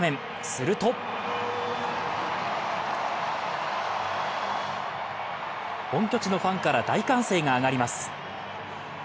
すると本拠地のファンから大歓声が上がります。